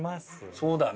そうだね。